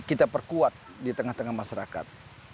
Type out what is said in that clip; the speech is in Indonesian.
kita perkuat di tengah tengah masyarakat